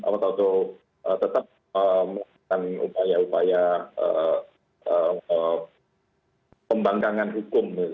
polo dato' tetap menggunakan upaya upaya pembangkangan hukum